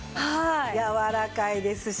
やわらかいですし。